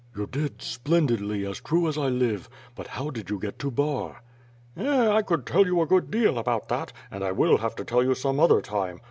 "You did splendidly, as true as I live! But how did you get to Bar?" 'TEh; I could tell you a good deal about that, and I will have to tell you some other time.